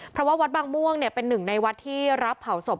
เพราะว่าวัดบางม่วงเป็นหนึ่งในวัดที่รับเผาศพ